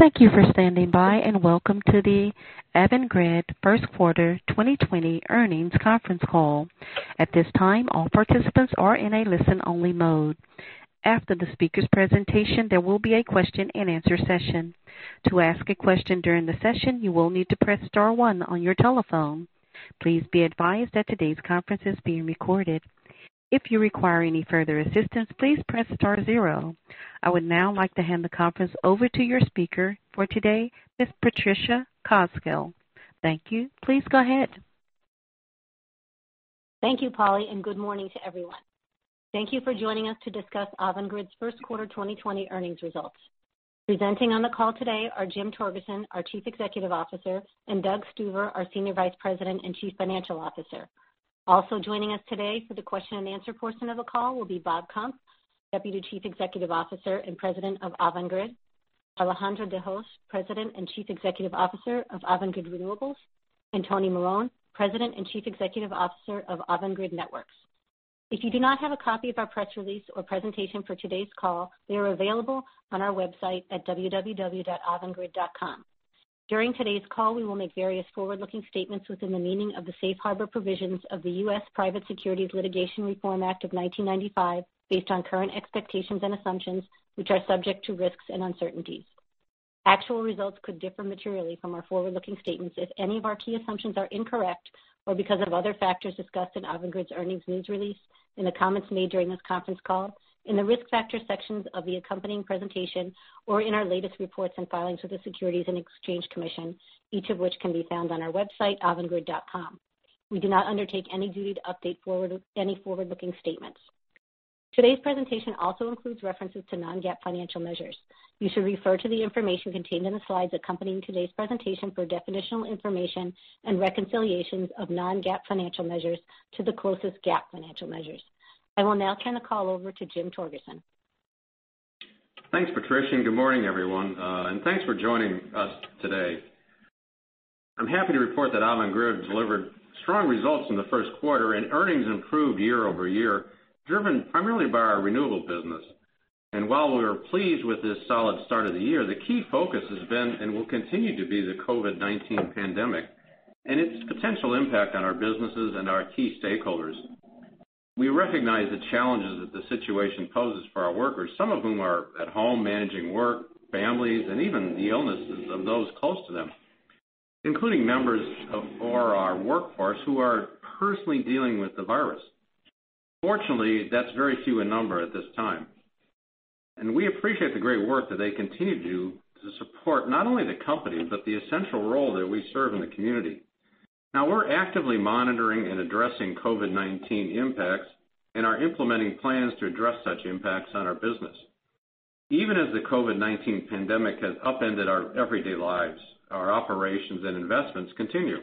Thank you for standing by, and welcome to the Avangrid First Quarter 2020 Earnings Conference Call. At this time, all participants are in a listen-only mode. After the speaker's presentation, there will be a question-and-answer session. To ask a question during the session, you will need to press star one on your telephone. Please be advised that today's conference is being recorded. If you require any further assistance, please press star zero. I would now like to hand the conference over to your speaker for today, Ms. Patricia Cosgel. Thank you. Please go ahead. Thank you, Polly, good morning to everyone. Thank you for joining us to discuss Avangrid's first quarter 2020 earnings results. Presenting on the call today are Jim Torgerson, our Chief Executive Officer, and Doug Stuver, our Senior Vice President and Chief Financial Officer. Also joining us today for the question-and-answer portion of the call will be Bob Kump, Deputy Chief Executive Officer and President of Avangrid, Alejandro de Hoz, President and Chief Executive Officer of Avangrid Renewables, and Tony Marone, President and Chief Executive Officer of Avangrid Networks. If you do not have a copy of our press release or presentation for today's call, they are available on our website at www.avangrid.com. During today's call, we will make various forward-looking statements within the meaning of the Safe Harbor provisions of the U.S. Private Securities Litigation Reform Act of 1995, based on current expectations and assumptions, which are subject to risks and uncertainties. Actual results could differ materially from our forward-looking statements if any of our key assumptions are incorrect, or because of other factors discussed in Avangrid's earnings news release, in the comments made during this conference call, in the Risk Factors sections of the accompanying presentation, or in our latest reports and filings with the Securities and Exchange Commission, each of which can be found on our website, avangrid.com. We do not undertake any duty to update any forward-looking statements. Today's presentation also includes references to non-GAAP financial measures. You should refer to the information contained in the slides accompanying today's presentation for definitional information and reconciliations of non-GAAP financial measures to the closest GAAP financial measures. I will now turn the call over to Jim Torgerson. Thanks, Patricia, good morning, everyone. Thanks for joining us today. I'm happy to report that Avangrid delivered strong results in the first quarter, and earnings improved year-over-year, driven primarily by our Renewables business. While we are pleased with this solid start of the year, the key focus has been, and will continue to be, the COVID-19 pandemic and its potential impact on our businesses and our key stakeholders. We recognize the challenges that the situation poses for our workers, some of whom are at home managing work, families, and even the illnesses of those close to them, including members for our workforce who are personally dealing with the virus. Fortunately, that's very few in number at this time. We appreciate the great work that they continue to do to support not only the company, but the essential role that we serve in the community. Now we're actively monitoring and addressing COVID-19 impacts and are implementing plans to address such impacts on our business. Even as the COVID-19 pandemic has upended our everyday lives, our operations and investments continue.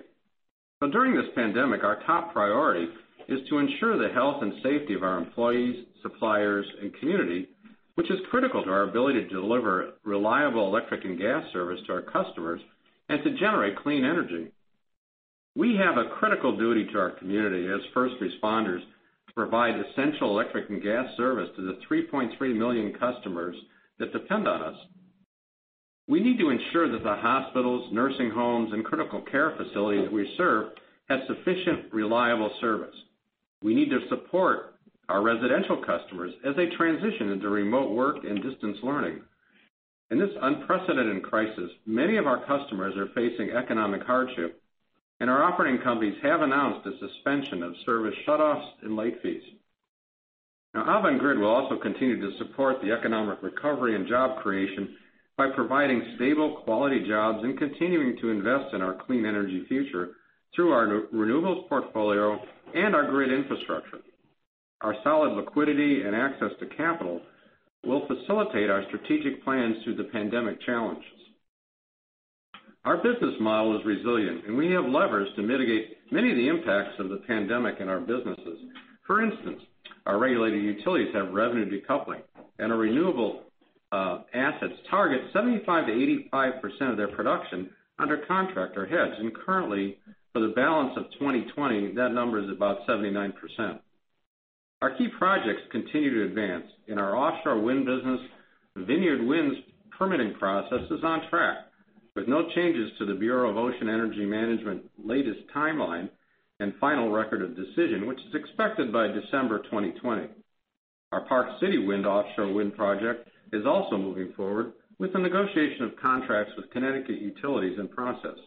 During this pandemic, our top priority is to ensure the health and safety of our employees, suppliers, and community, which is critical to our ability to deliver reliable electric and gas service to our customers and to generate clean energy. We have a critical duty to our community as first responders to provide essential electric and gas service to the 3.3 million customers that depend on us. We need to ensure that the hospitals, nursing homes, and critical care facilities we serve have sufficient, reliable service. We need to support our residential customers as they transition into remote work and distance learning. In this unprecedented crisis, many of our customers are facing economic hardship, and our operating companies have announced a suspension of service shutoffs and late fees. Now Avangrid will also continue to support the economic recovery and job creation by providing stable, quality jobs and continuing to invest in our clean energy future through our Renewables portfolio and our grid infrastructure. Our solid liquidity and access to capital will facilitate our strategic plans through the pandemic challenges. Our business model is resilient, and we have levers to mitigate many of the impacts of the pandemic in our businesses. For instance, our regulated utilities have revenue decoupling, and our renewable assets target 75%-85% of their production under contract or hedges, and currently, for the balance of 2020, that number is about 79%. Our key projects continue to advance. In our offshore wind business, Vineyard Wind's permitting process is on track, with no changes to the Bureau of Ocean Energy Management latest timeline and final record of decision, which is expected by December 2020. Our Park City Wind offshore wind project is also moving forward, with the negotiation of contracts with Connecticut utilities in process.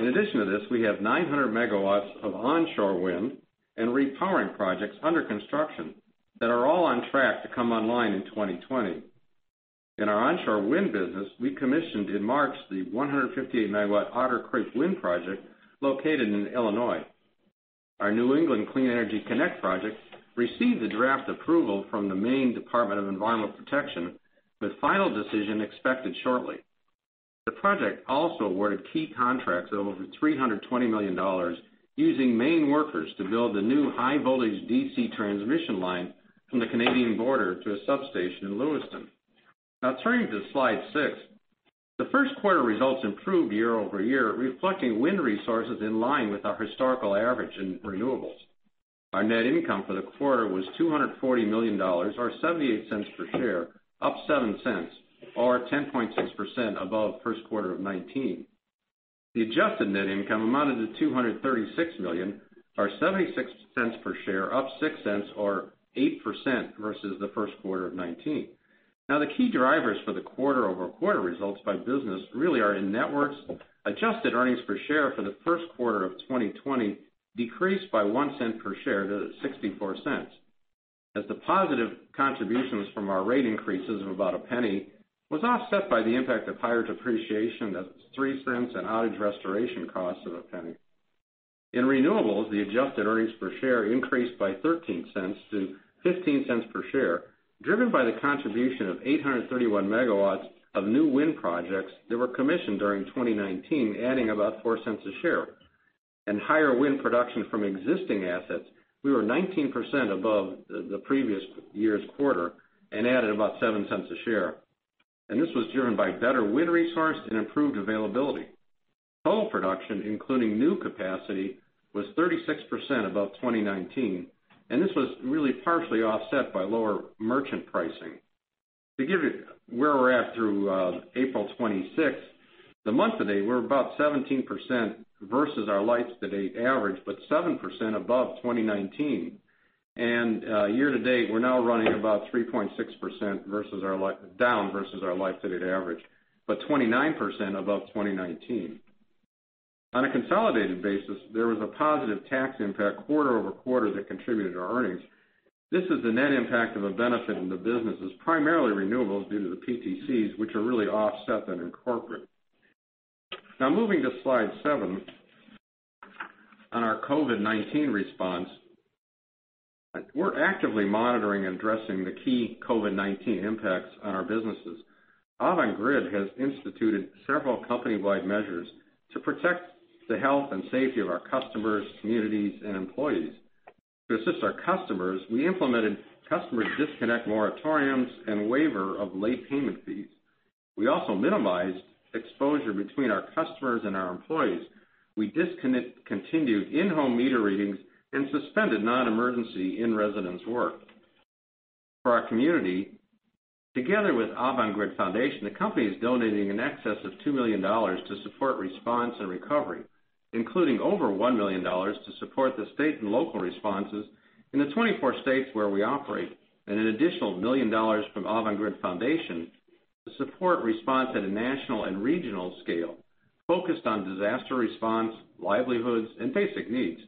In addition to this, we have 900 MW of onshore wind and repowering projects under construction that are all on track to come online in 2020. In our onshore wind business, we commissioned in March the 158 MW Otter Creek Wind project located in Illinois. Our New England Clean Energy Connect project received the draft approval from the Maine Department of Environmental Protection, with final decision expected shortly. The project also awarded key contracts of over $320 million using Maine workers to build the new high-voltage DC transmission line from the Canadian border to a substation in Lewiston. Turning to slide six. The first quarter results improved year-over-year, reflecting wind resources in line with our historical average in Renewables. our net income for the quarter was $240 million, or $0.78 per share, up $0.07, or 10.6% above first quarter of 2019. The adjusted net income amounted to $236 million, or $0.76 per share, up $0.06 or 8% versus the first quarter of 2019. The key drivers for the quarter-over-quarter results by business really are in networks. Adjusted earnings per share for the first quarter of 2020 decreased by $0.01 per share to $0.64. The positive contributions from our rate increases of about $0.01 was offset by the impact of higher depreciation, that's $0.03, and outage restoration costs of $0.01. In Renewables, the adjusted earnings per share increased by $0.13 to $0.15 per share, driven by the contribution of 831 MW of new wind projects that were commissioned during 2019, adding about $0.04 a share. Higher wind production from existing assets, we were 19% above the previous year's quarter and added about $0.07 a share. This was driven by better wind resource and improved availability. Total production, including new capacity, was 36% above 2019, and this was really partially offset by lower merchant pricing. To give you where we're at through April 26th, the month-to-date, we're about 17% versus our life-to-date average, but 7% above 2019. Year-to-date, we're now running about 3.6% down versus our life-to-date average, but 29% above 2019. On a consolidated basis, there was a positive tax impact quarter-over-quarter that contributed to our earnings. This is the net impact of a benefit in the business as primarily Renewables due to the PTCs, which are really offset then in corporate. Moving to slide seven on our COVID-19 response. We're actively monitoring and addressing the key COVID-19 impacts on our businesses. Avangrid has instituted several company-wide measures to protect the health and safety of our customers, communities, and employees. To assist our customers, we implemented customer disconnect moratoriums and waiver of late payment fees. We also minimized exposure between our customers and our employees. We discontinued in-home meter readings and suspended non-emergency in-residence work. For our community, together with Avangrid Foundation, the company is donating in excess of $2 million to support response and recovery, including over $1 million to support the state and local responses in the 24 states where we operate, and an additional $1 million from Avangrid Foundation to support response at a national and regional scale, focused on disaster response, livelihoods, and basic needs.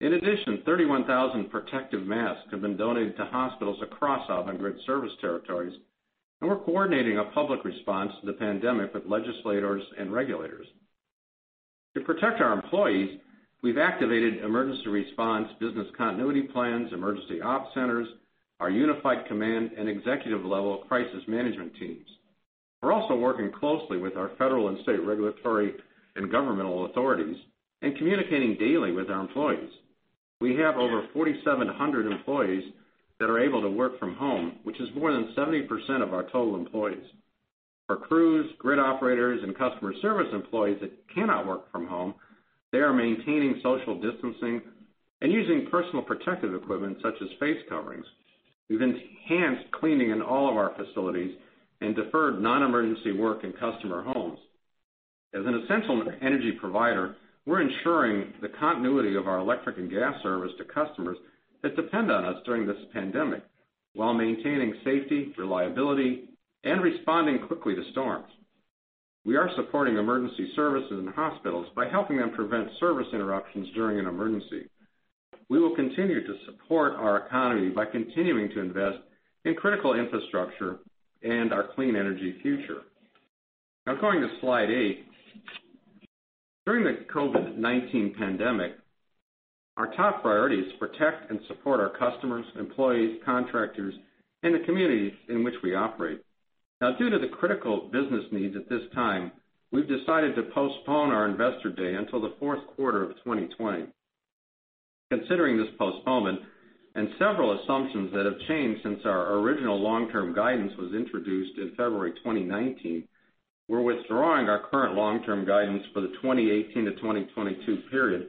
In addition, 31,000 protective masks have been donated to hospitals across Avangrid service territories. We're coordinating a public response to the pandemic with legislators and regulators. To protect our employees, we've activated emergency response business continuity plans, emergency op centers, our unified command, and executive-level crisis management teams. We're also working closely with our federal and state regulatory and governmental authorities and communicating daily with our employees. We have over 4,700 employees that are able to work from home, which is more than 70% of our total employees. For crews, grid operators, and customer service employees that cannot work from home, they are maintaining social distancing and using personal protective equipment such as face coverings. We've enhanced cleaning in all of our facilities and deferred non-emergency work in customer homes. As an essential energy provider, we're ensuring the continuity of our electric and gas service to customers that depend on us during this pandemic while maintaining safety, reliability, and responding quickly to storms. We are supporting emergency services and hospitals by helping them prevent service interruptions during an emergency. We will continue to support our economy by continuing to invest in critical infrastructure and our clean energy future. Now going to slide eight. During the COVID-19 pandemic, our top priority is to protect and support our customers, employees, contractors, and the communities in which we operate. Now, due to the critical business needs at this time, we've decided to postpone our investor day until the fourth quarter of 2020. Considering this postponement and several assumptions that have changed since our original long-term guidance was introduced in February 2019, we're withdrawing our current long-term guidance for the 2018 to 2022 period,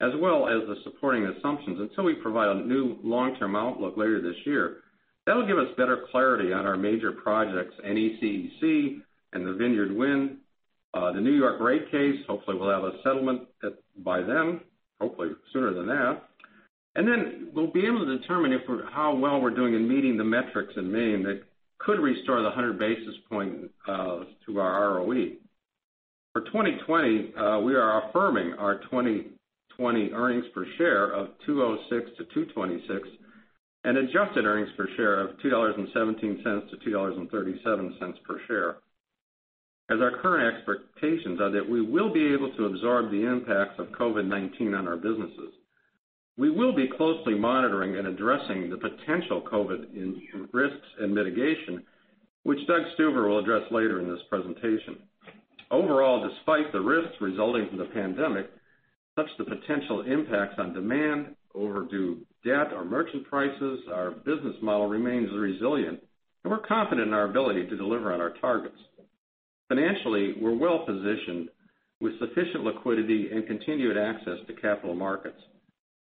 as well as the supporting assumptions until we provide a new long-term outlook later this year. That'll give us better clarity on our major projects, NECEC and the Vineyard Wind, the New York rate case. Hopefully, we'll have a settlement by then, hopefully sooner than that. We'll be able to determine how well we're doing in meeting the metrics in Maine that could restore the 100 basis points to our ROE. For 2020, we are affirming our 2020 earnings per share of $2.06-$2.26, and adjusted earnings per share of $2.17-$2.37 per share, as our current expectations are that we will be able to absorb the impacts of COVID-19 on our businesses. We will be closely monitoring and addressing the potential COVID risks and mitigation, which Doug Stuver will address later in this presentation. Overall, despite the risks resulting from the pandemic, such the potential impacts on demand, overdue debt, or merchant prices, our business model remains resilient, and we're confident in our ability to deliver on our targets. Financially, we're well-positioned with sufficient liquidity and continued access to capital markets.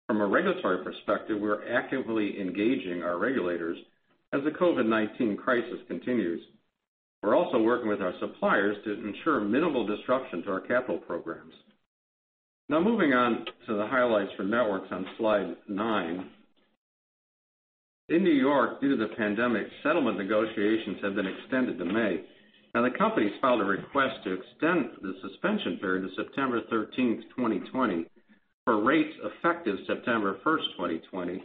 From a regulatory perspective, we're actively engaging our regulators as the COVID-19 crisis continues. We're also working with our suppliers to ensure minimal disruption to our capital programs. Moving on to the highlights for networks on slide nine. In New York, due to the pandemic, settlement negotiations have been extended to May. The company's filed a request to extend the suspension period to September 13th, 2020, for rates effective September 1st, 2020,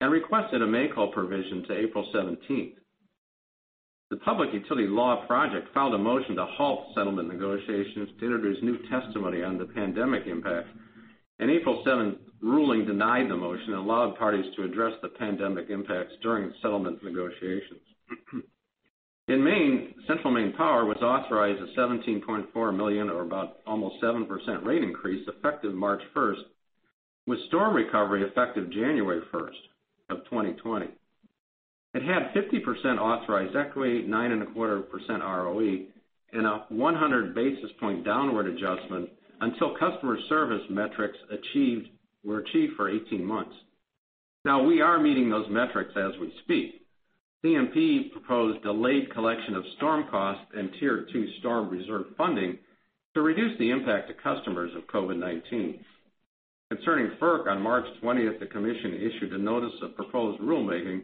and requested a make-whole provision to April 17th. The Public Utility Law Project filed a motion to halt settlement negotiations to introduce new testimony on the pandemic impact. An April 7th ruling denied the motion and allowed parties to address the pandemic impacts during settlement negotiations. In Maine, Central Maine Power was authorized a $17.4 million, or about almost 7% rate increase effective March 1st, with storm recovery effective January 1st, 2020. It had 50% authorized equity, 9.25% ROE, and a 100-basis point downward adjustment until customer service metrics were achieved for 18 months. We are meeting those metrics as we speak. CMP proposed delayed collection of storm costs and Tier 2 storm reserve funding to reduce the impact to customers of COVID-19. Concerning FERC, on March 20th, the commission issued a notice of proposed rulemaking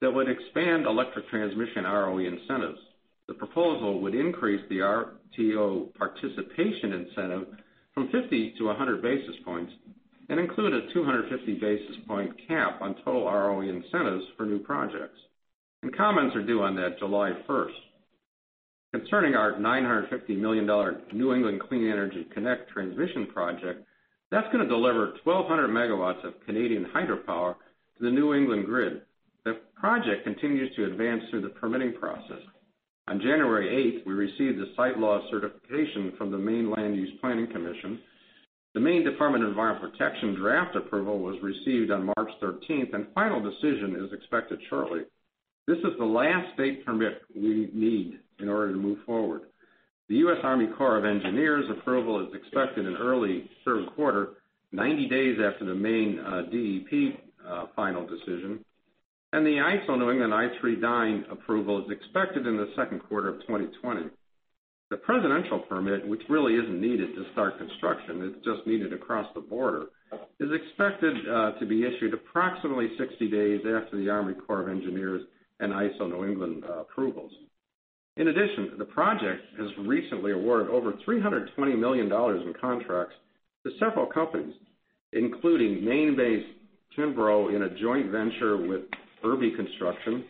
that would expand electric transmission ROE incentives. The proposal would increase the RTO participation incentive from 50 to 100 basis points and include a 250-basis point cap on total ROE incentives for new projects. Comments are due on that July 1st. Concerning our $950 million New England Clean Energy Connect transmission project, that's going to deliver 1,200 MW of Canadian hydropower to the New England grid. The project continues to advance through the permitting process. On January 8th, we received the site law certification from the Maine Land Use Planning Commission. The Maine Department of Environmental Protection draft approval was received on March 13th, and final decision is expected shortly. This is the last state permit we need in order to move forward. The U.S. Army Corps of Engineers approval is expected in early third quarter, 90 days after the Maine DEP final decision, and the ISO New England I.3.9 approval is expected in the second quarter of 2020. The presidential permit, which really isn't needed to start construction, it's just needed across the border, is expected to be issued approximately 60 days after the Army Corps of Engineers and ISO New England approvals. In addition, the project has recently awarded over $320 million in contracts to several companies, including Maine-based Cianbro in a joint venture with Berube Construction,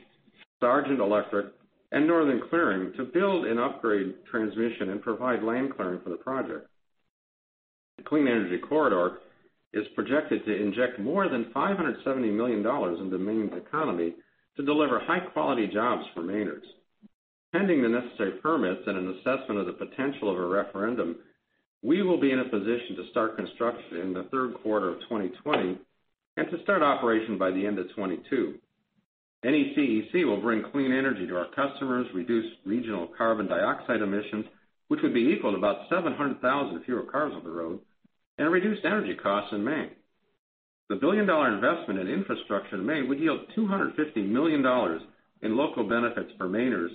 Sargent Electric, and Northern Clearing to build and upgrade transmission and provide land clearing for the project. The New England Clean Energy Connect is projected to inject more than $570 million into Maine's economy to deliver high-quality jobs for Mainers. Pending the necessary permits and an assessment of the potential of a referendum, we will be in a position to start construction in the 3rd quarter of 2020 and to start operation by the end of 2022. NECEC will bring clean energy to our customers, reduce regional carbon dioxide emissions, which would be equal to about 700,000 fewer cars on the road, and reduced energy costs in Maine. The billion-dollar investment in infrastructure in Maine would yield $250 million in local benefits for Mainers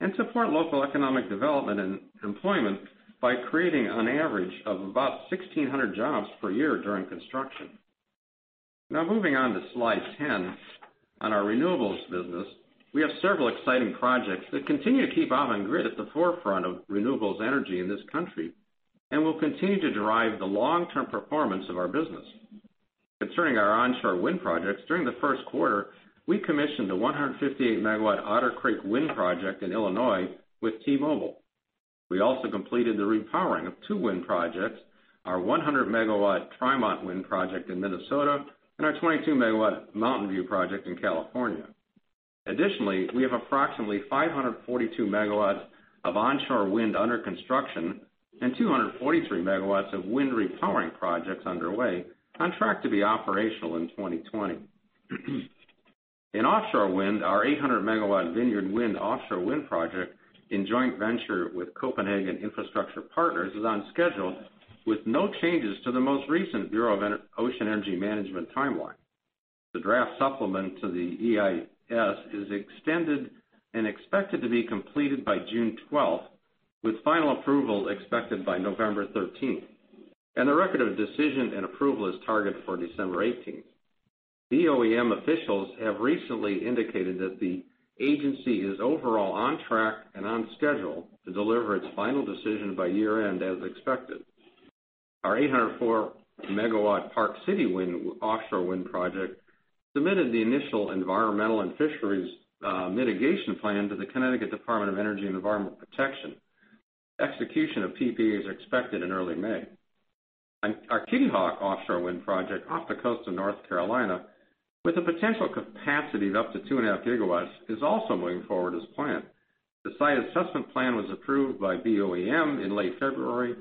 and support local economic development and employment by creating an average of about 1,600 jobs per year during construction. Now moving on to slide 10, on our Renewables business, we have several exciting projects that continue to keep Avangrid at the forefront of renewable energy in this country and will continue to drive the long-term performance of our business. Concerning our onshore wind projects, during the first quarter, we commissioned a 158-MW Otter Creek wind project in Illinois with T-Mobile. We also completed the repowering of two wind projects, our 100-MW Trimont wind project in Minnesota and our 22-MW Mountain View project in California. Additionally, we have approximately 542 MW of onshore wind under construction and 243 MW of wind repowering projects underway, on track to be operational in 2020. In offshore wind, our 800-MW Vineyard Wind offshore wind project in joint venture with Copenhagen Infrastructure Partners is on schedule with no changes to the most recent Bureau of Ocean Energy Management timeline. The draft supplement to the EIS is extended and expected to be completed by June 12th, with final approval expected by November 13th. The record of decision and approval is targeted for December 18th. BOEM officials have recently indicated that the agency is overall on track and on schedule to deliver its final decision by year-end as expected. Our 804-MW Park City Wind offshore wind project submitted the initial environmental and fisheries mitigation plan to the Connecticut Department of Energy and Environmental Protection. Execution of PPA is expected in early May. Our Kitty Hawk offshore wind project off the coast of North Carolina, with a potential capacity of up to 2.5 GW, is also moving forward as planned. The site assessment plan was approved by BOEM in late February,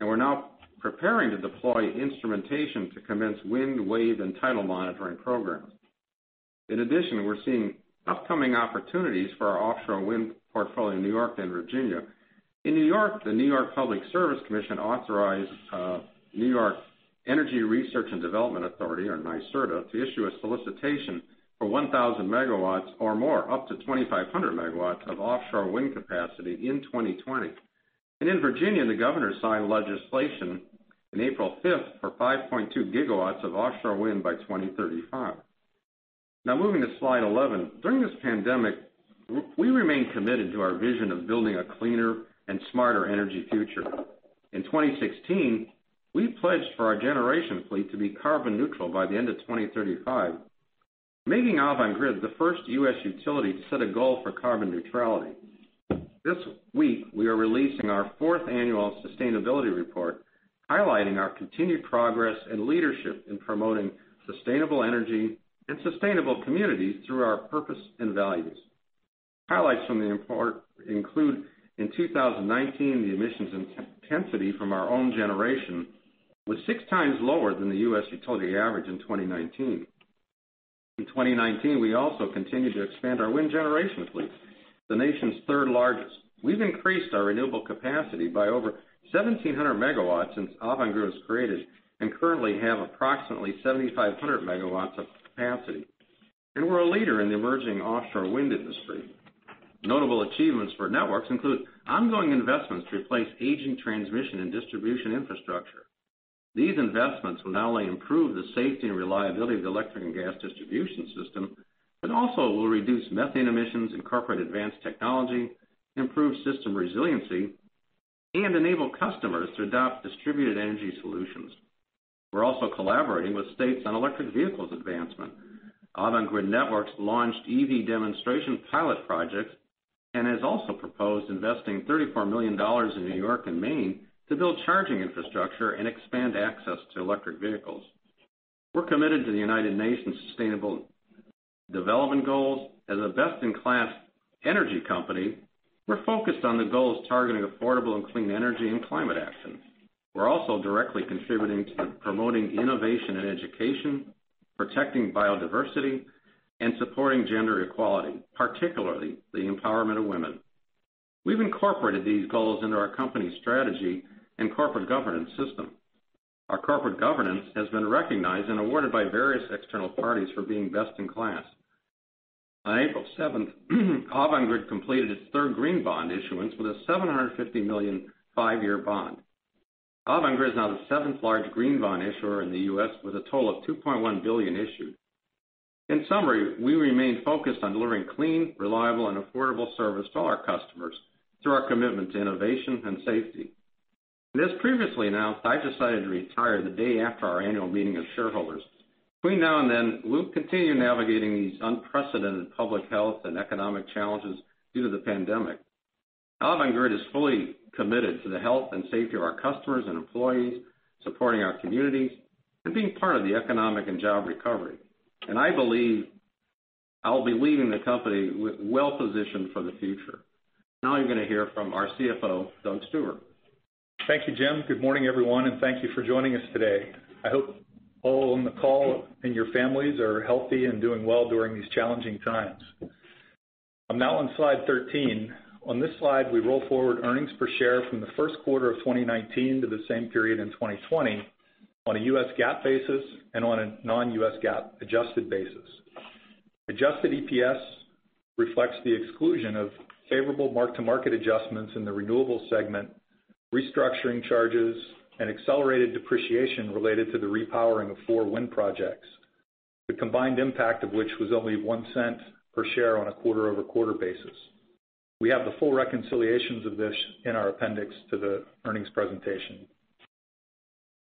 and we're now preparing to deploy instrumentation to commence wind, wave, and tidal monitoring programs. In addition, we're seeing upcoming opportunities for our offshore wind portfolio in New York and Virginia. In New York, the New York State Public Service Commission authorized New York State Energy Research and Development Authority, or NYSERDA, to issue a solicitation for 1,000 MW or more, up to 2,500 MW of offshore wind capacity in 2020. In Virginia, the governor signed legislation on April 5th for 5.2 GW of offshore wind by 2035. Moving to slide 11. During this pandemic, we remain committed to our vision of building a cleaner and smarter energy future. In 2016, we pledged for our generation fleet to be carbon neutral by the end of 2035, making Avangrid the first U.S. utility to set a goal for carbon neutrality. This week, we are releasing our fourth annual sustainability report, highlighting our continued progress and leadership in promoting sustainable energy and sustainable communities through our purpose and values. Highlights from the report include, in 2019, the emissions intensity from our own generation was six times lower than the U.S. utility average in 2019. In 2019, we also continued to expand our wind generation fleet, the nation's third largest. We've increased our renewable capacity by over 1,700 MW since Avangrid was created and currently have approximately 7,500 MW of capacity. We're a leader in the emerging offshore wind industry. Notable achievements for Networks include ongoing investments to replace aging transmission and distribution infrastructure. These investments will not only improve the safety and reliability of the electric and gas distribution system, but also will reduce methane emissions, incorporate advanced technology, improve system resiliency, and enable customers to adopt distributed energy solutions. We're also collaborating with states on electric vehicles advancement. Avangrid Networks launched EV demonstration pilot projects and has also proposed investing $34 million in New York and Maine to build charging infrastructure and expand access to electric vehicles. We're committed to the United Nations Sustainable Development Goals. As a best-in-class energy company, we're focused on the goals targeting affordable and clean energy and climate action. We're also directly contributing to promoting innovation and education, protecting biodiversity, and supporting gender equality, particularly the empowerment of women. We've incorporated these goals into our company strategy and corporate governance system. Our corporate governance has been recognized and awarded by various external parties for being best in class. On April 7th, Avangrid completed its third green bond issuance with a $750 million five-year bond. Avangrid is now the seventh largest green bond issuer in the U.S., with a total of $2.1 billion issued. In summary, we remain focused on delivering clean, reliable, and affordable service to all our customers through our commitment to innovation and safety. As previously announced, I've decided to retire the day after our annual meeting of shareholders. Between now and then, we'll continue navigating these unprecedented public health and economic challenges due to the pandemic. Avangrid is fully committed to the health and safety of our customers and employees, supporting our communities, and being part of the economic and job recovery. I believe I'll be leaving the company well-positioned for the future. Now you're going to hear from our CFO, Doug Stuver. Thank you, Jim. Good morning, everyone, and thank you for joining us today. I hope all on the call and your families are healthy and doing well during these challenging times. I'm now on slide 13. On this slide, we roll forward earnings per share from the first quarter of 2019 to the same period in 2020 on a U.S. GAAP basis and on a non-U.S. GAAP adjusted basis. Adjusted EPS reflects the exclusion of favorable mark-to-market adjustments in the Renewables segment, restructuring charges, and accelerated depreciation related to the repowering of four wind projects, the combined impact of which was only $0.01 per share on a quarter-over-quarter basis. We have the full reconciliations of this in our appendix to the earnings presentation.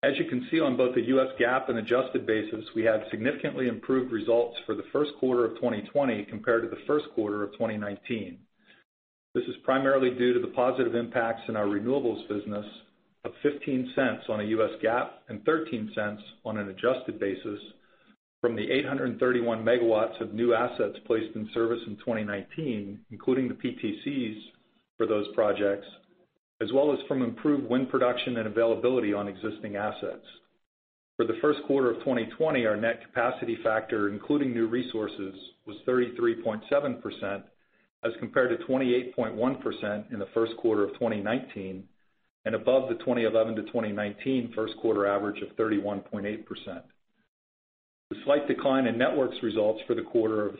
As you can see on both the U.S. GAAP and adjusted basis, we had significantly improved results for the first quarter of 2020 compared to the first quarter of 2019. This is primarily due to the positive impacts in our Renewables business of $0.15 on a U.S. GAAP, and $0.13 on an adjusted basis from the 831 MW of new assets placed in service in 2019, including the PTCs for those projects, as well as from improved wind production and availability on existing assets. For the first quarter of 2020, our net capacity factor, including new resources, was 33.7%, as compared to 28.1% in the first quarter of 2019, and above the 2011 to 2019 first quarter average of 31.8%. The slight decline in Networks results for the quarter of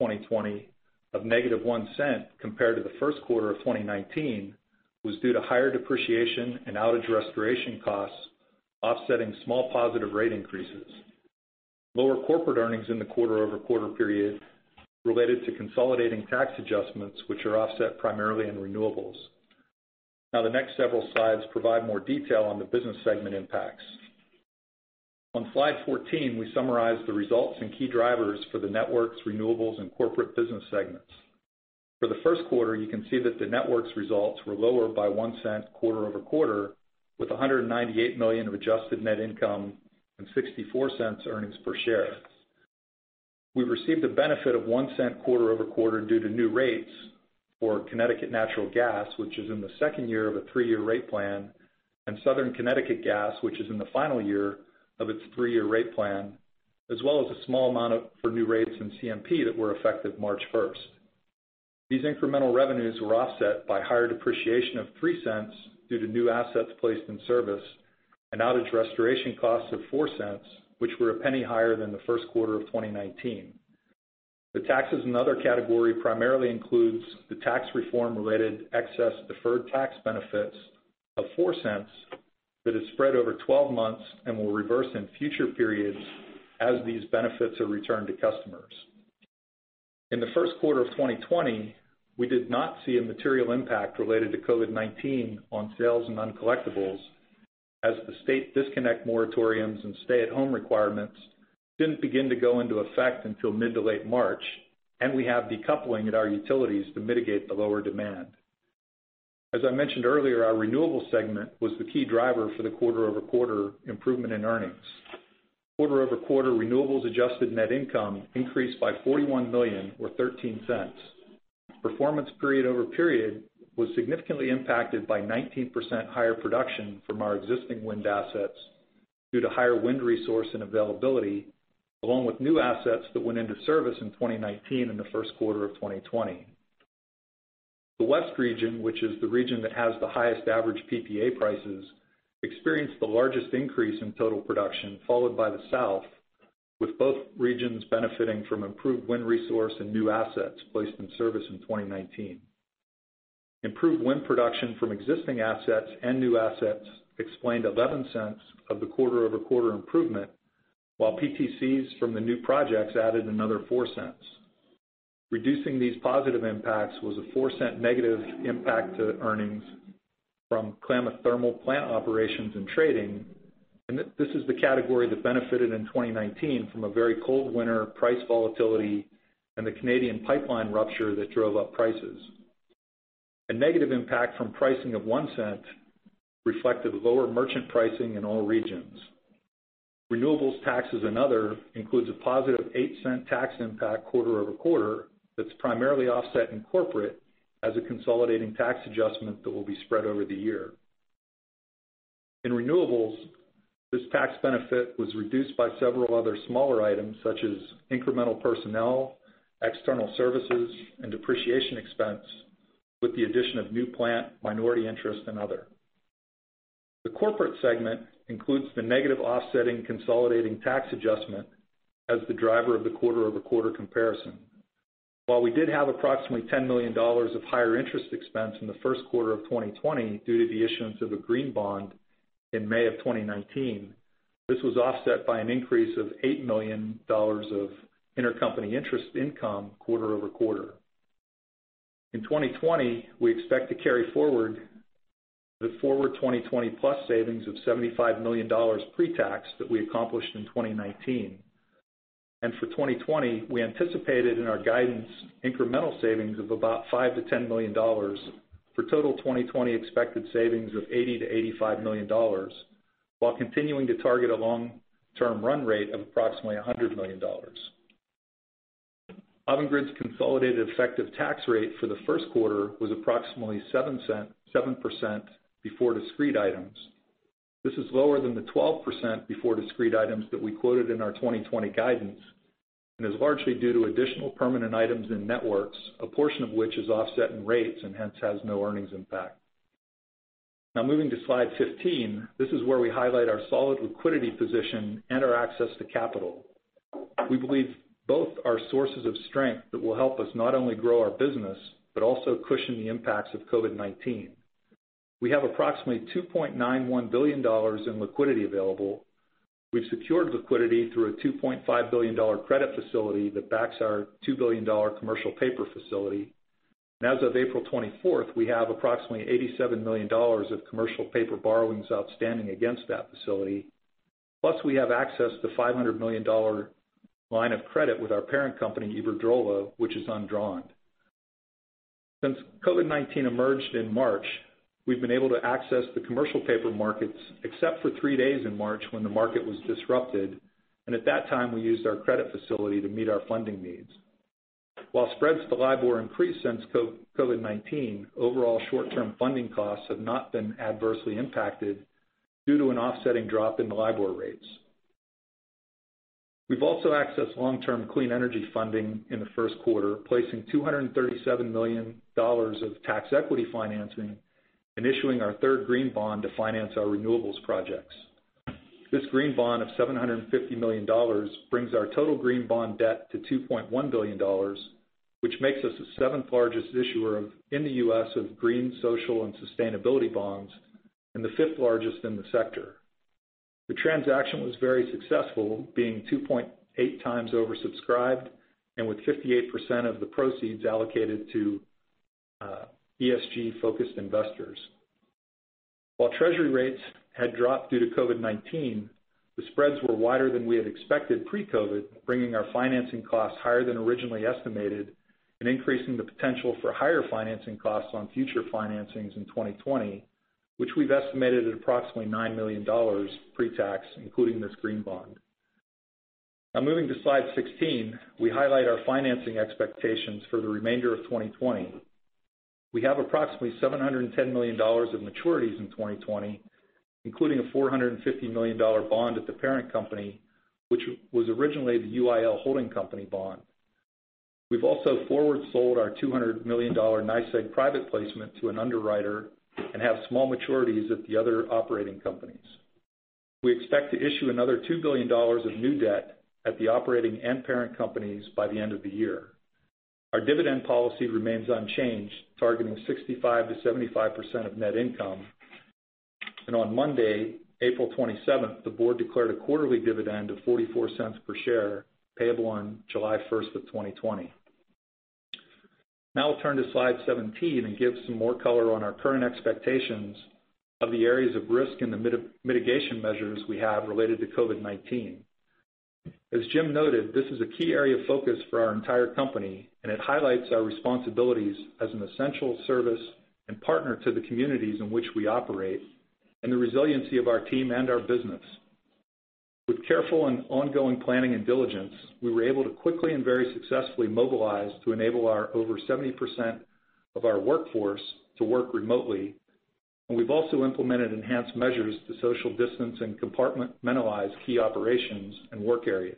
2020 of -$0.01 compared to the first quarter of 2019 was due to higher depreciation and outage restoration costs offsetting small positive rate increases. Lower corporate earnings in the quarter-over-quarter period related to consolidating tax adjustments, which are offset primarily in Renewables. The next several slides provide more detail on the business segment impacts. On slide 14, we summarize the results and key drivers for the Networks, Renewables, and corporate business segments. For the first quarter, you can see that the Networks results were lower by $0.01 quarter-over-quarter, with $198 million of adjusted net income and $0.64 earnings per share. We received a benefit of $0.01 quarter-over-quarter due to new rates. For Connecticut Natural Gas, which is in the second year of a three-year rate plan, and Southern Connecticut Gas, which is in the final year of its three-year rate plan, as well as a small amount for new rates in CMP that were effective March 1st. These incremental revenues were offset by higher depreciation of $0.03 due to new assets placed in service, and outage restoration costs of $0.04, which were $0.01 higher than the first quarter of 2019. The taxes in other category primarily includes the tax reform-related excess deferred tax benefits of $0.04 that is spread over 12 months and will reverse in future periods as these benefits are returned to customers. In the first quarter of 2020, we did not see a material impact related to COVID-19 on sales and uncollectibles, as the state disconnect moratoriums and stay-at-home requirements didn't begin to go into effect until mid to late March. We have decoupling at our utilities to mitigate the lower demand. As I mentioned earlier, our Renewables segment was the key driver for the quarter-over-quarter improvement in earnings. Quarter-over-quarter Renewables adjusted net income increased by $41 million or $0.13. Performance period-over-period was significantly impacted by 19% higher production from our existing wind assets due to higher wind resource and availability, along with new assets that went into service in 2019 and the first quarter of 2020. The West region, which is the region that has the highest average PPA prices, experienced the largest increase in total production, followed by the South, with both regions benefiting from improved wind resource and new assets placed in service in 2019. Improved wind production from existing assets and new assets explained $0.11 of the quarter-over-quarter improvement, while PTCs from the new projects added another $0.04. Reducing these positive impacts was a $0.04 negative impact to earnings from Klamath thermal plant operations and trading, and this is the category that benefited in 2019 from a very cold winter price volatility and the Canadian pipeline rupture that drove up prices. A negative impact from pricing of $0.01 reflected lower merchant pricing in all regions. Renewables taxes and other includes a positive $0.08 tax impact quarter-over-quarter that's primarily offset in corporate as a consolidating tax adjustment that will be spread over the year. In Renewables, this tax benefit was reduced by several other smaller items such as incremental personnel, external services, and depreciation expense, with the addition of new plant, minority interest, and other. The corporate segment includes the negative offsetting consolidating tax adjustment as the driver of the quarter-over-quarter comparison. While we did have approximately $10 million of higher interest expense in the first quarter of 2020 due to the issuance of a green bond in May of 2019, this was offset by an increase of $8 million of intercompany interest income quarter-over-quarter. In 2020, we expect to carry forward the 2020 plus savings of $75 million pre-tax that we accomplished in 2019. For 2020, we anticipated in our guidance incremental savings of about $5 million-$10 million for total 2020 expected savings of $80 million-$85 million, while continuing to target a long-term run rate of approximately $100 million. Avangrid's consolidated effective tax rate for the first quarter was approximately 7% before discrete items. This is lower than the 12% before discrete items that we quoted in our 2020 guidance, and is largely due to additional permanent items in Networks, a portion of which is offset in rates and hence has no earnings impact. Moving to slide 15, this is where we highlight our solid liquidity position and our access to capital. We believe both are sources of strength that will help us not only grow our business, but also cushion the impacts of COVID-19. We have approximately $2.91 billion in liquidity available. We've secured liquidity through a $2.5 billion credit facility that backs our $2 billion commercial paper facility. As of April 24th, we have approximately $87 million of commercial paper borrowings outstanding against that facility. Plus, we have access to $500 million line of credit with our parent company, Iberdrola, which is undrawn. Since COVID-19 emerged in March, we've been able to access the commercial paper markets except for three days in March when the market was disrupted, and at that time, we used our credit facility to meet our funding needs. While spreads to LIBOR increased since COVID-19, overall short-term funding costs have not been adversely impacted due to an offsetting drop in the LIBOR rates. We've also accessed long-term clean energy funding in the first quarter, placing $237 million of tax equity financing and issuing our third green bond to finance our Renewables projects. This green bond of $750 million brings our total green bond debt to $2.1 billion, which makes us the seventh-largest issuer in the U.S. of green, social, and sustainability bonds, and the fifth largest in the sector. The transaction was very successful, being 2.8 times oversubscribed and with 58% of the proceeds allocated to ESG-focused investors. While Treasury rates had dropped due to COVID-19, the spreads were wider than we had expected pre-COVID, bringing our financing costs higher than originally estimated and increasing the potential for higher financing costs on future financings in 2020, which we've estimated at approximately $9 million pre-tax, including this green bond. Moving to slide 16, we highlight our financing expectations for the remainder of 2020. We have approximately $710 million of maturities in 2020, including a $450 million bond at the parent company, which was originally the UIL holding company bond. We've also forward sold our $200 million NYSEG private placement to an underwriter and have small maturities at the other operating companies. We expect to issue another $2 billion of new debt at the operating and parent companies by the end of the year. Our dividend policy remains unchanged, targeting 65%-75% of net income. On Monday, April 27th, the board declared a quarterly dividend of $0.44 per share, payable on July 1st of 2020. Now we'll turn to slide 17 and give some more color on our current expectations of the areas of risk and the mitigation measures we have related to COVID-19. As Jim noted, this is a key area of focus for our entire company, and it highlights our responsibilities as an essential service and partner to the communities in which we operate and the resiliency of our team and our business. With careful and ongoing planning and diligence, we were able to quickly and very successfully mobilize to enable over 70% of our workforce to work remotely. We've also implemented enhanced measures to social distance and compartmentalize key operations and work areas.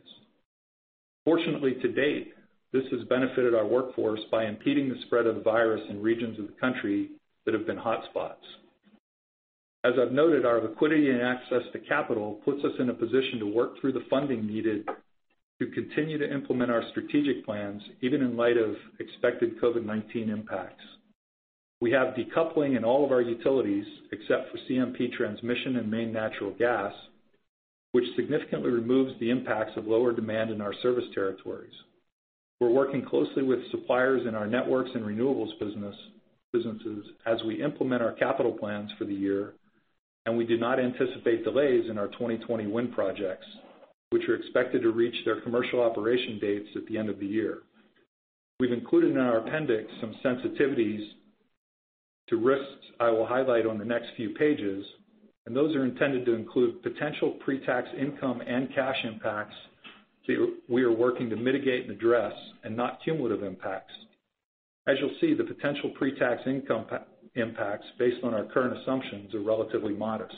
Fortunately, to date, this has benefited our workforce by impeding the spread of the virus in regions of the country that have been hotspots. As I've noted, our liquidity and access to capital puts us in a position to work through the funding needed to continue to implement our strategic plans, even in light of expected COVID-19 impacts. We have decoupling in all of our utilities, except for CMP Transmission and Maine Natural Gas, which significantly removes the impacts of lower demand in our service territories. We're working closely with suppliers in our Networks and Renewables businesses as we implement our capital plans for the year. We do not anticipate delays in our 2020 wind projects, which are expected to reach their commercial operation dates at the end of the year. We've included in our appendix some sensitivities to risks I will highlight on the next few pages. Those are intended to include potential pre-tax income and cash impacts that we are working to mitigate and address and not cumulative impacts. As you'll see, the potential pre-tax income impacts based on our current assumptions are relatively modest.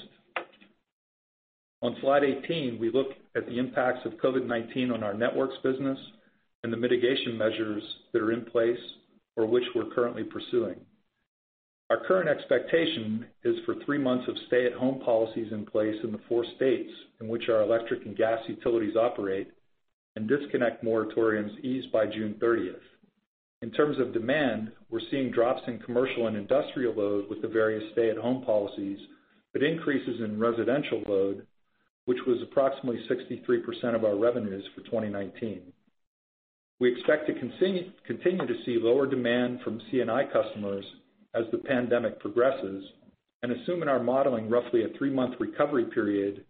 On slide 18, we look at the impacts of COVID-19 on our Networks business and the mitigation measures that are in place or which we're currently pursuing. Our current expectation is for three months of stay-at-home policies in place in the four states in which our electric and gas utilities operate and disconnect moratoriums eased by June 30th. In terms of demand, we're seeing drops in commercial and industrial load with the various stay-at-home policies, but increases in residential load, which was approximately 63% of our revenues for 2019. We expect to continue to see lower demand from C&I customers as the pandemic progresses and assume in our modeling roughly a three-month recovery period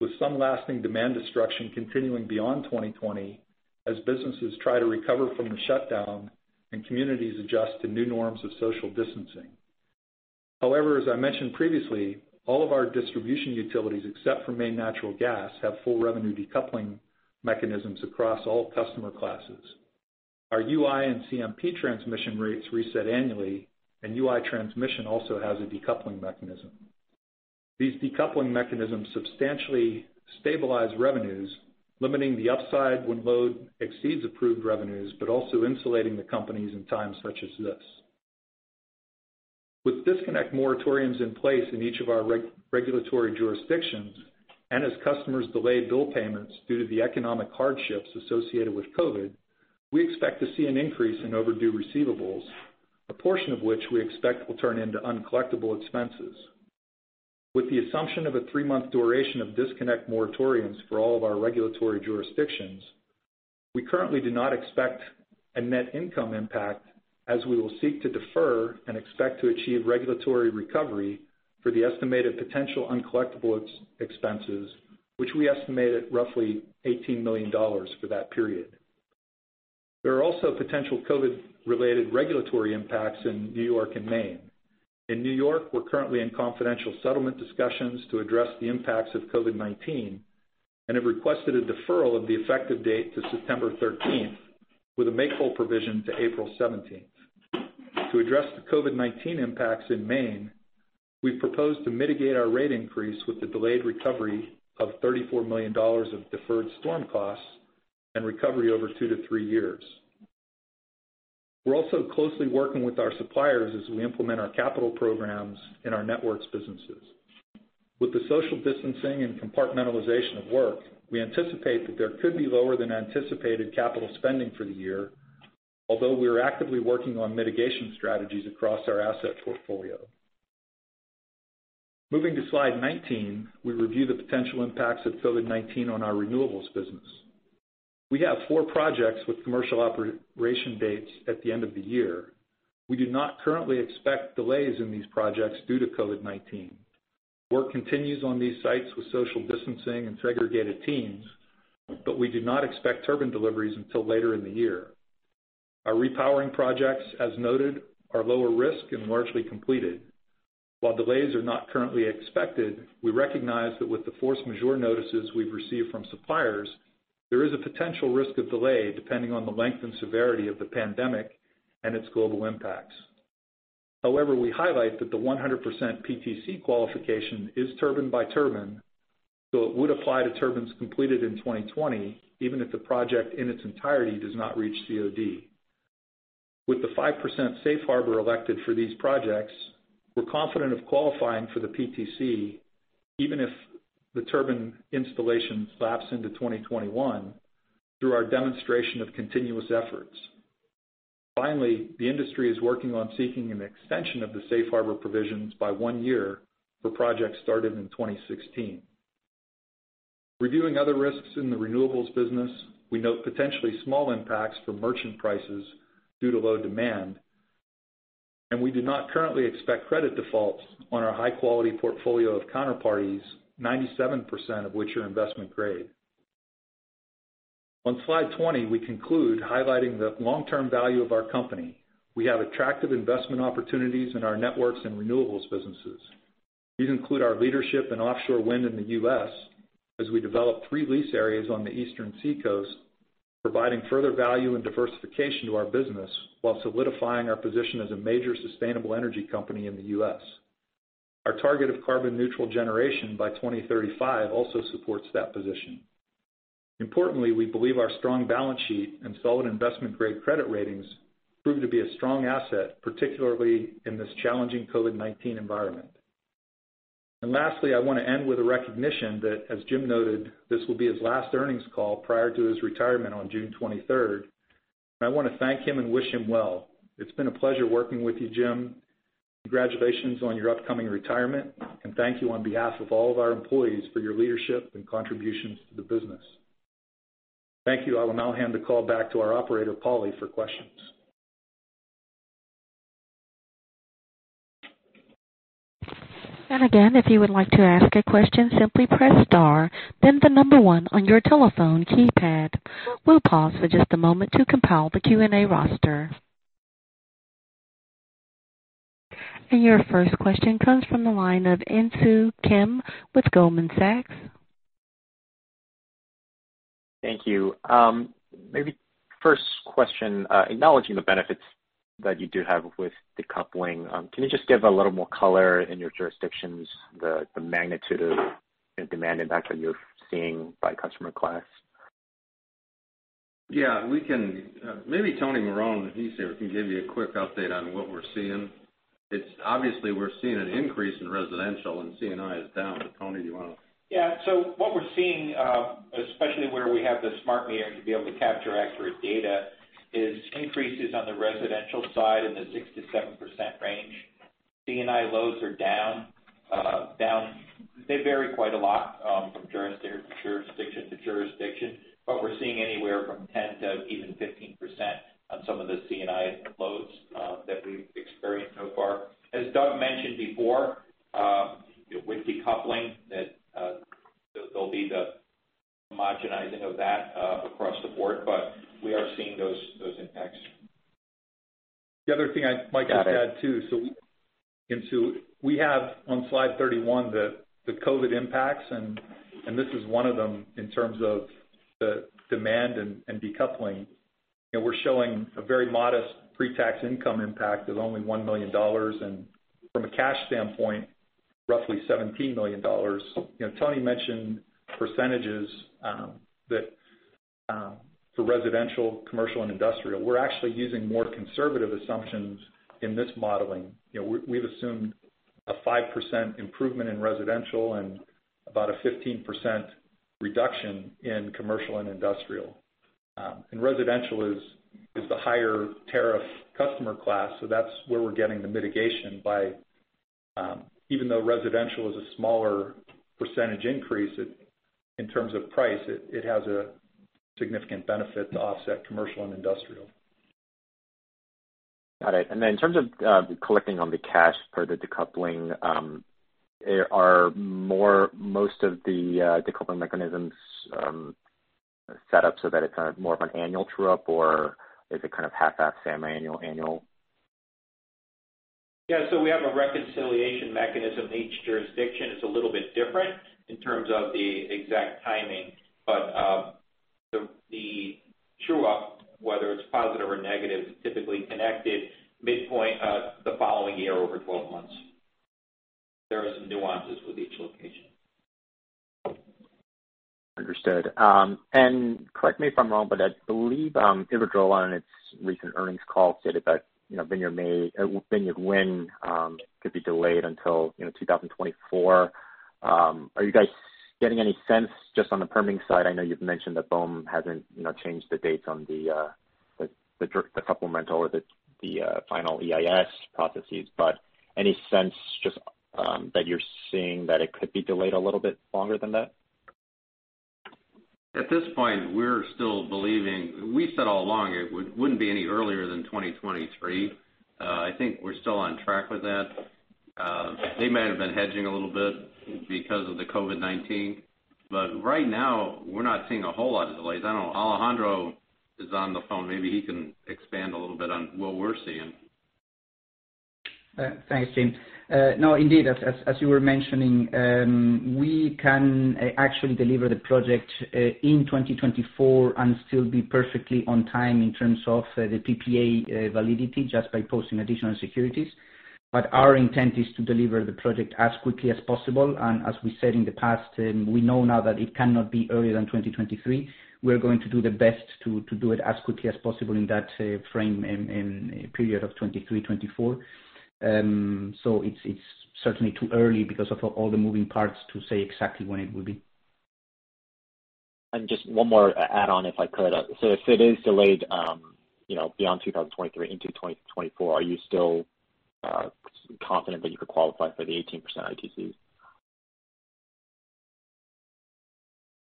with some lasting demand destruction continuing beyond 2020 as businesses try to recover from the shutdown and communities adjust to new norms of social distancing. However, as I mentioned previously, all of our distribution utilities except for Maine Natural Gas have full revenue decoupling mechanisms across all customer classes. Our UI and CMP transmission rates reset annually, and UI Transmission also has a decoupling mechanism. These decoupling mechanisms substantially stabilize revenues, limiting the upside when load exceeds approved revenues, but also insulating the companies in times such as this. With disconnect moratoriums in place in each of our regulatory jurisdictions and as customers delay bill payments due to the economic hardships associated with COVID-19, we expect to see an increase in overdue receivables, a portion of which we expect will turn into uncollectible expenses. With the assumption of a three-month duration of disconnect moratoriums for all of our regulatory jurisdictions, we currently do not expect a net income impact as we will seek to defer and expect to achieve regulatory recovery for the estimated potential uncollectible expenses, which we estimate at roughly $18 million for that period. There are also potential COVID-19-related regulatory impacts in New York and Maine. In New York, we're currently in confidential settlement discussions to address the impacts of COVID-19 and have requested a deferral of the effective date to September 13th with a make-whole provision to April 17th. To address the COVID-19 impacts in Maine, we've proposed to mitigate our rate increase with the delayed recovery of $34 million of deferred storm costs and recovery over two to three years. We're also closely working with our suppliers as we implement our capital programs in our Networks businesses. With the social distancing and compartmentalization of work, we anticipate that there could be lower than anticipated capital spending for the year, although we are actively working on mitigation strategies across our asset portfolio. Moving to slide 19, we review the potential impacts of COVID-19 on our Renewables business. We have four projects with commercial operation dates at the end of the year. We do not currently expect delays in these projects due to COVID-19. Work continues on these sites with social distancing and segregated teams, but we do not expect turbine deliveries until later in the year. Our repowering projects, as noted, are lower risk and largely completed. While delays are not currently expected, we recognize that with the force majeure notices we've received from suppliers, there is a potential risk of delay depending on the length and severity of the pandemic and its global impacts. However, we highlight that the 100% PTC qualification is turbine by turbine, so it would apply to turbines completed in 2020, even if the project in its entirety does not reach COD. With the 5% safe harbor elected for these projects, we're confident of qualifying for the PTC, even if the turbine installations lapse into 2021 through our demonstration of continuous efforts. Finally, the industry is working on seeking an extension of the safe harbor provisions by one year for projects started in 2016. Reviewing other risks in the Renewables business, we note potentially small impacts for merchant prices due to low demand, and we do not currently expect credit defaults on our high-quality portfolio of counterparties, 97% of which are investment grade. On slide 20, we conclude highlighting the long-term value of our company. We have attractive investment opportunities in our networks and Renewables businesses. These include our leadership in offshore wind in the U.S. as we develop three lease areas on the eastern seacoast, providing further value and diversification to our business while solidifying our position as a major sustainable energy company in the U.S. Our target of carbon neutral generation by 2035 also supports that position. Importantly, we believe our strong balance sheet and solid investment-grade credit ratings prove to be a strong asset, particularly in this challenging COVID-19 environment. Lastly, I want to end with a recognition that, as Jim noted, this will be his last earnings call prior to his retirement on June 23rd. I want to thank him and wish him well. It's been a pleasure working with you, Jim. Congratulations on your upcoming retirement, and thank you on behalf of all of our employees for your leadership and contributions to the business. Thank you. I will now hand the call back to our operator, Polly, for questions. Again, if you would like to ask a question, simply press star, then the number one on your telephone keypad. We'll pause for just a moment to compile the Q&A roster. Your first question comes from the line of Insoo Kim with Goldman Sachs. Thank you. Maybe first question, acknowledging the benefits that you do have with decoupling, can you just give a little more color in your jurisdictions, the magnitude of the demand impact that you're seeing by customer class? Yeah, we can. Maybe Tony Marone, he's here, can give you a quick update on what we're seeing. Obviously, we're seeing an increase in residential and C&I is down. Tony, do you want to? Yeah. What we're seeing, especially where we have the smart meter to be able to capture accurate data, is increases on the residential side in the 6%-7% range. C&I loads are down. They vary quite a lot from jurisdiction to jurisdiction, but we're seeing anywhere from 10% to even 15% on some of the C&I loads that we've experienced so far. As Doug mentioned before, with decoupling, there'll be the homogenizing of that across the board, but we are seeing those impacts. The other thing I'd like to add, too, Insoo, we have on slide 31 the COVID impacts, and this is one of them in terms of the demand and decoupling. We're showing a very modest pre-tax income impact of only $1 million, and from a cash standpoint, roughly $17 million. Tony mentioned percentages for residential, commercial, and industrial. We're actually using more conservative assumptions in this modeling. We've assumed a 5% improvement in residential and about a 15% reduction in commercial and industrial. Residential is the higher tariff customer class, so that's where we're getting the mitigation by, even though residential is a smaller percentage increase in terms of price, it has a significant benefit to offset commercial and industrial. Got it. In terms of collecting on the cash for the decoupling, are most of the decoupling mechanisms set up so that it's kind of more of an annual true-up? Is it kind of half that, semi-annual, annual? Yeah, we have a reconciliation mechanism. Each jurisdiction is a little bit different in terms of the exact timing, but the true-up, whether it's positive or negative, is typically collected midpoint the following year over 12 months. There are some nuances with each location. Understood. Correct me if I'm wrong, but I believe Avangrid on its recent earnings call stated that Vineyard Wind could be delayed until 2024. Are you guys getting any sense just on the permitting side? I know you've mentioned that BOEM hasn't changed the dates on the supplemental or the final EIS processes, but any sense just that you're seeing that it could be delayed a little bit longer than that? We said all along it wouldn't be any earlier than 2023. I think we're still on track with that. They might have been hedging a little bit because of the COVID-19 Right now, we're not seeing a whole lot of delays. I don't know, Alejandro is on the phone. Maybe he can expand a little bit on what we're seeing. Thanks, Jim. Indeed, as you were mentioning, we can actually deliver the project in 2024 and still be perfectly on time in terms of the PPA validity just by posting additional securities. Our intent is to deliver the project as quickly as possible. As we said in the past, and we know now that it cannot be earlier than 2023. We're going to do the best to do it as quickly as possible in that frame and period of 2023, 2024. It's certainly too early because of all the moving parts to say exactly when it will be. Just one more add-on, if I could. If it is delayed beyond 2023 into 2024, are you still confident that you could qualify for the 18% ITCs?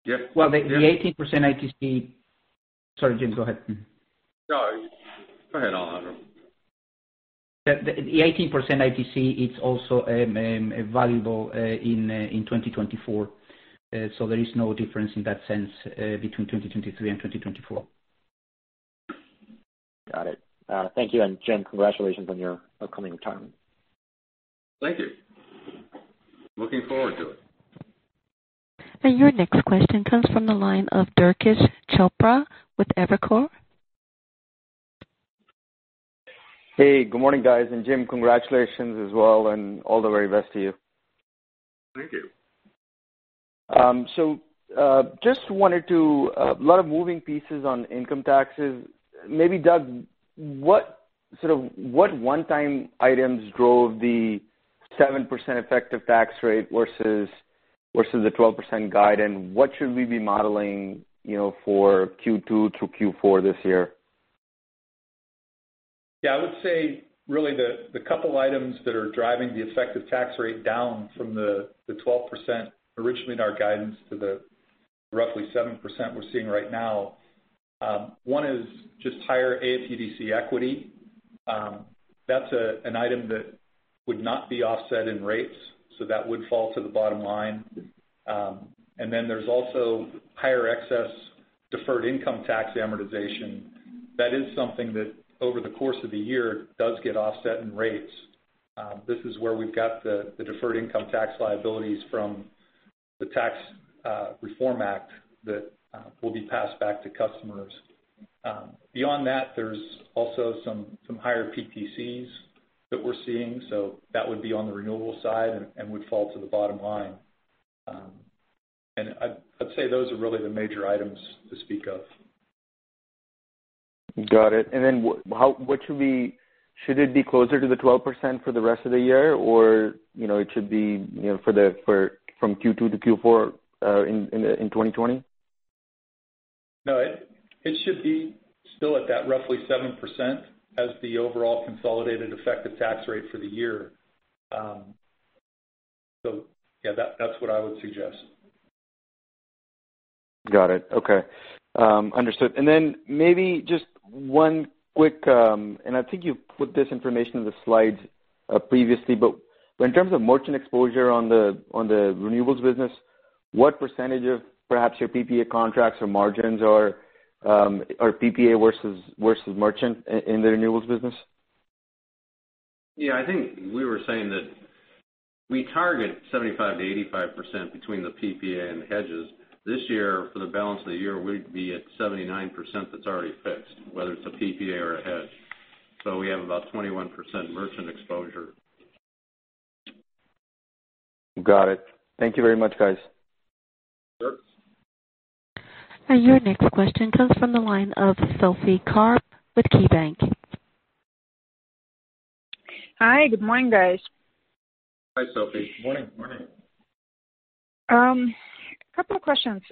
Yes. Well, the 18% ITC. Sorry, Jim, go ahead. No, go ahead, Alejandro. The 18% ITC, it's also valuable in 2024, so there is no difference in that sense between 2023 and 2024. Got it. Thank you. Jim, congratulations on your upcoming retirement. Thank you. Looking forward to it. Your next question comes from the line of Durgesh Chopra with Evercore. Hey, good morning, guys. Jim, congratulations as well and all the very best to you. Thank you. A lot of moving pieces on income taxes. Maybe Doug, what one-time items drove the 7% effective tax rate versus the 12% guide, and what should we be modeling for Q2 through Q4 this year? Yeah, I would say really the couple items that are driving the effective tax rate down from the 12% originally in our guidance to the roughly 7% we're seeing right now. One is just higher AFUDC equity. That's an item that would not be offset in rates, so that would fall to the bottom line. There's also higher excess deferred income tax amortization. That is something that over the course of the year does get offset in rates. This is where we've got the deferred income tax liabilities from the Tax Reform Act that will be passed back to customers. Beyond that, there's also some higher PTCs that we're seeing. That would be on the renewable side and would fall to the bottom line. I'd say those are really the major items to speak of. Got it. Should it be closer to the 12% for the rest of the year, or it should be from Q2 to Q4 in 2020? No, it should be still at that roughly 7% as the overall consolidated effective tax rate for the year. That's what I would suggest. Got it. Okay. Understood. Maybe just one quick, and I think you put this information in the slides previously, but in terms of merchant exposure on the Renewables business, what percentage of perhaps your PPA contracts or margins are PPA versus merchant in the Renewables business? Yeah, I think we were saying that we target 75%-85% between the PPA and the hedges. This year, for the balance of the year, we'd be at 79% that's already fixed, whether it's a PPA or a hedge. We have about 21% merchant exposure. Got it. Thank you very much, guys. Sure. Your next question comes from the line of Sophie Karp with KeyBank. Hi. Good morning, guys. Hi, Sophie. Morning. Morning. A couple of questions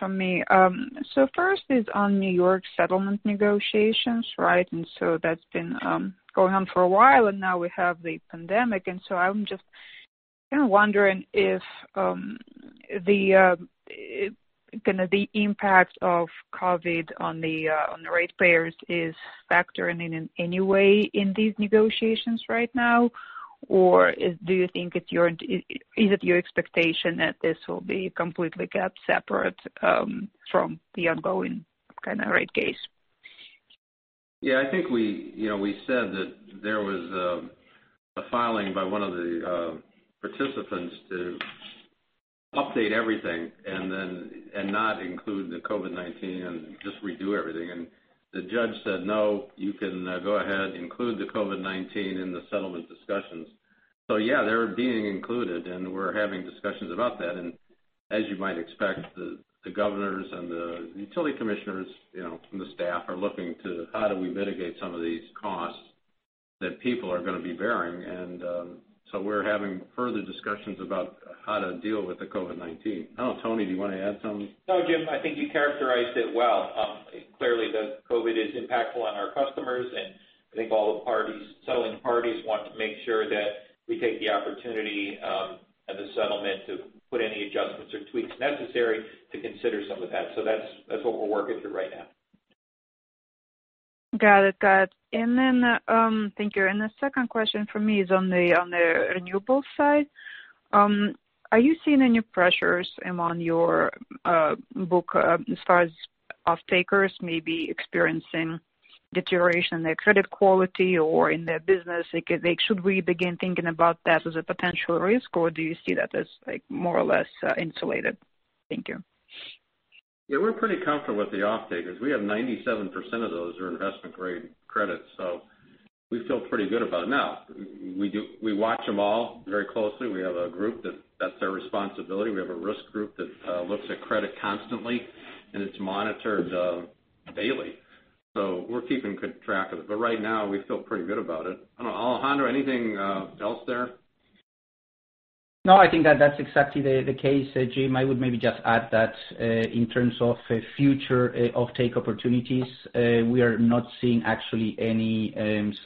from me. First is on New York settlement negotiations, right? That's been going on for a while, and now we have the pandemic. I'm just kind of wondering if the impact of COVID on the ratepayers is factoring in any way in these negotiations right now, or is it your expectation that this will be completely kept separate from the ongoing kind of rate case? Yeah, I think we said that there was a filing by one of the participants to update everything and not include the COVID-19 and just redo everything. The judge said, "No, you can go ahead, include the COVID-19 in the settlement discussions." Yeah, they're being included, and we're having discussions about that. As you might expect, the governors and the utility commissioners from the staff are looking to how do we mitigate some of these costs that people are going to be bearing. We're having further discussions about how to deal with the COVID-19. I don't know, Tony, do you want to add something? No, Jim, I think you characterized it well. Clearly, the COVID is impactful on our customers, and I think all the settling parties want to make sure that we take the opportunity of the settlement to put any adjustments or tweaks necessary to consider some of that. That's what we're working through right now. Got it. Thank you. The second question for me is on the Renewables side. Are you seeing any pressures among your book as far as off-takers maybe experiencing deterioration in their credit quality or in their business? Should we begin thinking about that as a potential risk, or do you see that as more or less insulated? Thank you. Yeah. We're pretty comfortable with the off-takers. We have 97% of those are investment-grade credits, so we feel pretty good about it. We watch them all very closely. We have a group that's their responsibility. We have a risk group that looks at credit constantly, and it's monitored daily. We're keeping good track of it. Right now, we feel pretty good about it. I don't know, Alejandro, anything else there? No, I think that's exactly the case, Jim. I would maybe just add that in terms of future off-take opportunities, we are not seeing actually any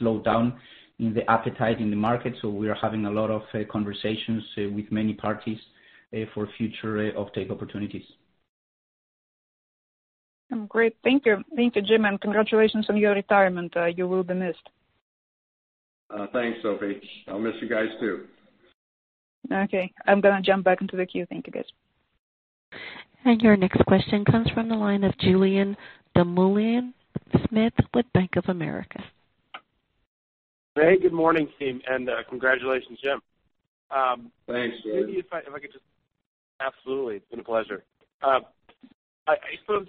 slowdown in the appetite in the market. We are having a lot of conversations with many parties for future off-take opportunities. Great. Thank you. Thank you, Jim, and congratulations on your retirement. You will be missed. Thanks, Sophie. I'll miss you guys, too. Okay, I'm going to jump back into the queue. Thank you, guys. Your next question comes from the line of Julien Dumoulin-Smith with Bank of America. Hey, good morning, team, and congratulations, Jim. Thanks, Julien. absolutely. It's been a pleasure. Actually,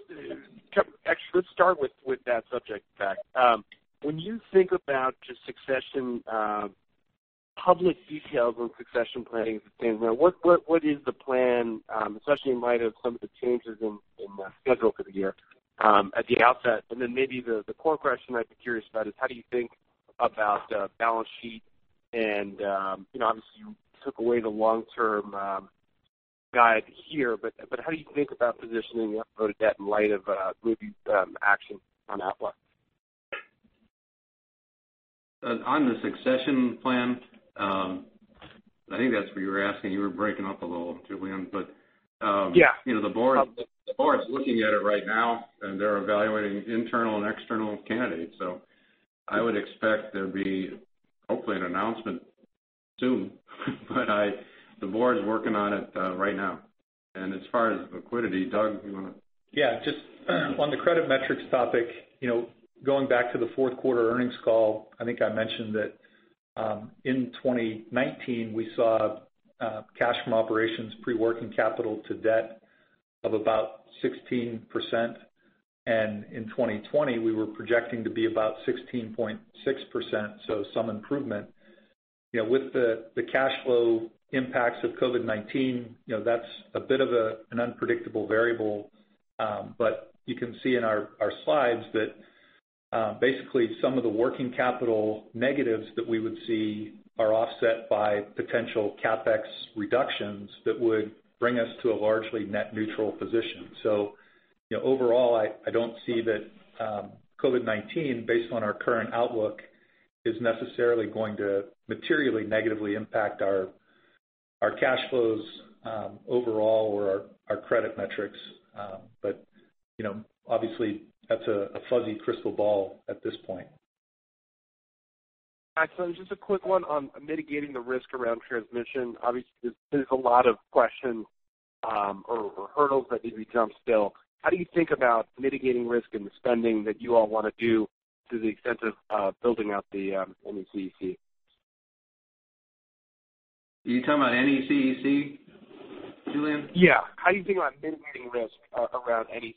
let's start with that subject in fact. When you think about just succession, public details on succession planning and things like that, what is the plan, especially in light of some of the changes in the schedule for the year at the outset? Then maybe the core question I'd be curious about is how do you think about balance sheet and, obviously you took away the long-term guide here, how do you think about positioning the overall debt in light of Moody's action on Avangrid? On the succession plan, I think that's what you were asking. You were breaking up a little, Julien. Yeah. The board's looking at it right now, and they're evaluating internal and external candidates, so I would expect there'll be, hopefully, an announcement soon. The board's working on it right now. As far as liquidity, Doug, you want to- Yeah, just on the credit metrics topic, going back to the fourth quarter earnings call, I think I mentioned that in 2019, we saw cash from operations pre-working capital to debt of about 16%, and in 2020, we were projecting to be about 16.6%. Some improvement. With the cash flow impacts of COVID-19, that's a bit of an unpredictable variable. You can see in our slides that basically some of the working capital negatives that we would see are offset by potential CapEx reductions that would bring us to a largely net neutral position. Overall, I don't see that COVID-19, based on our current outlook, is necessarily going to materially negatively impact our cash flows overall or our credit metrics. Obviously, that's a fuzzy crystal ball at this point. Excellent. Just a quick one on mitigating the risk around transmission. Obviously, there's a lot of questions or hurdles that need to be jumped still. How do you think about mitigating risk and the spending that you all want to do to the extent of building out the NECEC? You talking about NECEC, Julien? How do you think about mitigating risk around NECEC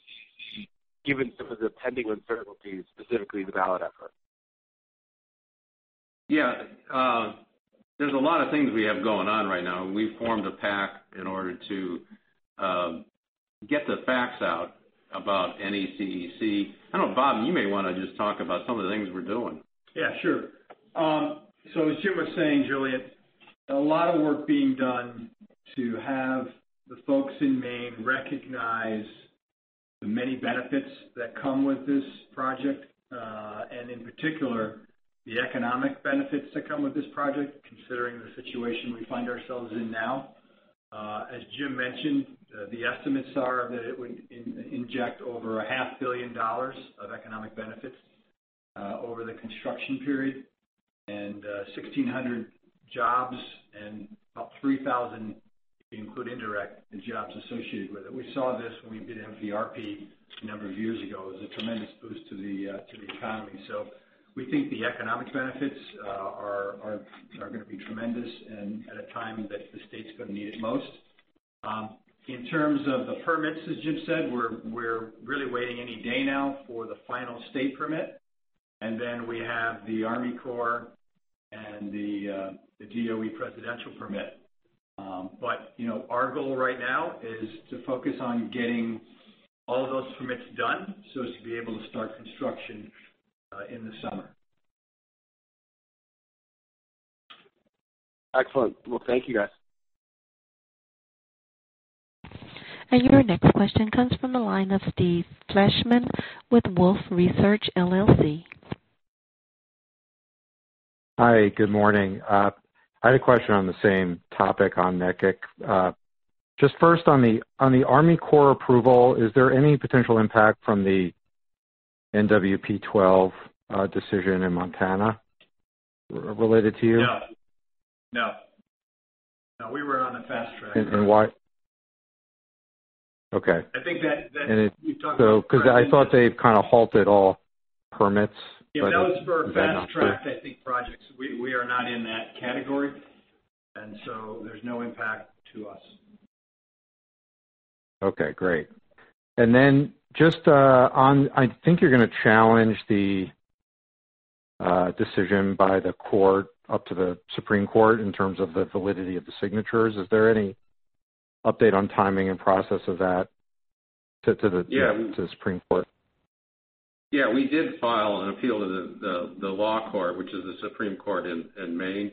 given some of the pending uncertainties, specifically the ballot effort? Yeah. There's a lot of things we have going on right now. We've formed a PAC in order to get the facts out about NECEC. I know, Bob, you may want to just talk about some of the things we're doing. As Jim was saying, Julien, a lot of work being done to have the folks in Maine recognize the many benefits that come with this project. In particular, the economic benefits that come with this project, considering the situation we find ourselves in now. As Jim mentioned, the estimates are that it would inject over $500 million of economic benefits over the construction period and 1,600 jobs and about 3,000 if you include indirect in jobs associated with it. We saw this when we did MPRP a number of years ago. It was a tremendous boost to the economy. We think the economic benefits are going to be tremendous and at a time that the state's going to need it most. In terms of the permits, as Jim said, we're really waiting any day now for the final state permit, and then we have the Army Corps and the DOE Presidential Permit. Our goal right now is to focus on getting all of those permits done so as to be able to start construction in the summer. Excellent. Well, thank you, guys. Your next question comes from the line of Steve Fleishman with Wolfe Research, LLC. Hi, good morning. I had a question on the same topic on NECEC. First on the Army Corps approval, is there any potential impact from the NWP 12 decision in Montana related to you? No. No. No, we were on the fast track. Why? Okay. I think that, we've talked about. I thought they've kind of halted all permits. If those were fast-tracked, I think projects, we are not in that category, and so there's no impact to us. Okay, great. I think you're going to challenge the decision by the court up to the Supreme Court in terms of the validity of the signatures. Is there any update on timing and process of that?- Yeah to the Supreme Court? We did file an appeal to the Law Court, which is the Supreme Court in Maine.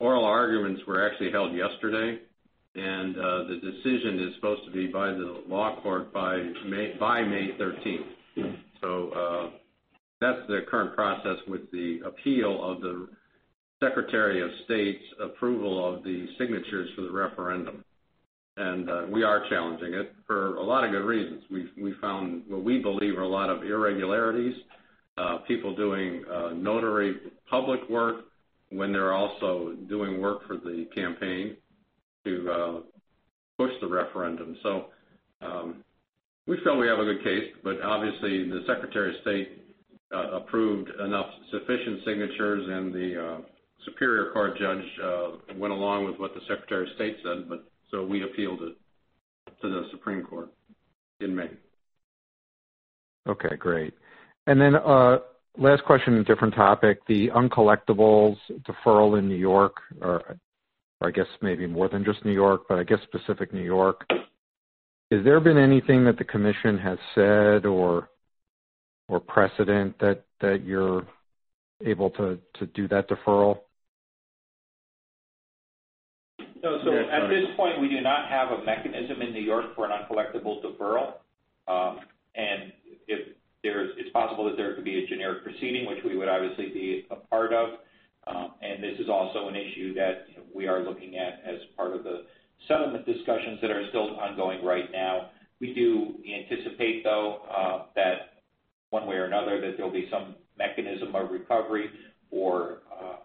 Oral arguments were held yesterday, the decision is supposed to be by the Law Court by May 13. That's the current process with the appeal of the Secretary of State's approval of the signatures for the referendum. We are challenging it for a lot of good reasons. We found what we believe are a lot of irregularities, people doing notary public work when they're also doing work for the campaign to push the referendum. We feel we have a good case, but obviously the Secretary of State approved enough sufficient signatures and the Superior Court judge went along with what the Secretary of State said, so we appealed it to the Supreme Court in Maine. Okay, great. Last question, a different topic. The uncollectibles deferral in New York, or I guess maybe more than just New York, but I guess specific New York has there been anything that the commission has said or precedent that you're able to do that deferral? No. At this point, we do not have a mechanism in New York for an uncollectible deferral. It's possible that there could be a generic proceeding, which we would obviously be a part of. This is also an issue that we are looking at as part of the settlement discussions that are still ongoing right now. We do anticipate, though, that one way or another, that there'll be some mechanism of recovery for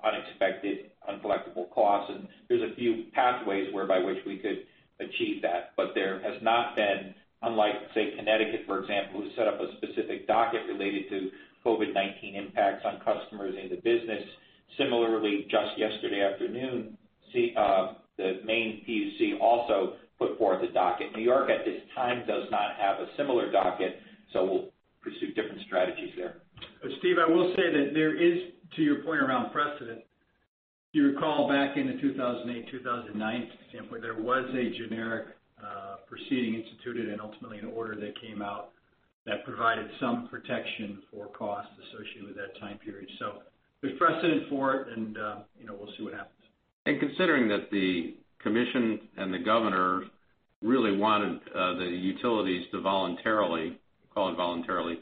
unexpected uncollectible costs. There's a few pathways whereby which we could achieve that. There has not been, unlike, say, Connecticut, for example, who set up a specific docket related to COVID-19 impacts on customers in the business. Similarly, just yesterday afternoon, the Maine PUC also put forth a docket. New York at this time does not have a similar docket, so we'll pursue different strategies there. Steve, I will say that there is, to your point around precedent, if you recall back in 2008, 2009, for example, there was a generic proceeding instituted and ultimately an order that came out that provided some protection for costs associated with that time period. There's precedent for it and we'll see what happens. Considering that the commission and the governor really wanted the utilities to voluntarily, call it voluntarily,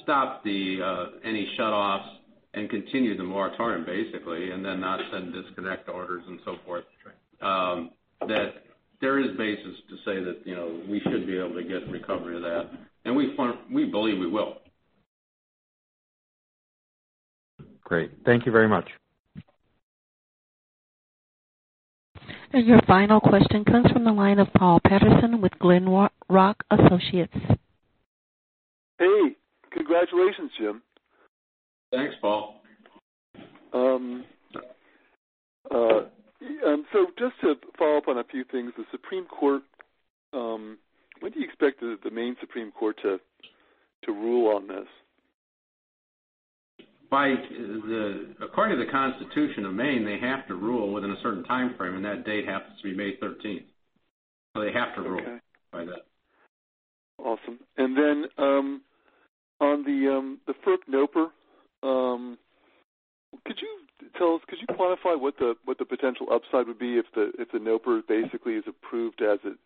stop any shutoffs and continue the moratorium, basically, and then not send disconnect orders and so forth. That's right. That there is basis to say that, we should be able to get recovery of that. We believe we will. Great. Thank you very much. Your final question comes from the line of Paul Patterson with Glenrock Associates. Hey. Congratulations, Jim. Thanks, Paul. Just to follow up on a few things, the Supreme Court, when do you expect the Maine Supreme Court to rule on this? According to the Constitution of Maine, they have to rule within a certain time frame, and that date happens to be May 13th. They have to rule,- Okay by that. Awesome. Then, on the FERC NOPR, could you qualify what the potential upside would be if the NOPR basically is approved as it